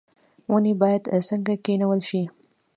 ونې باید څنګه کینول شي؟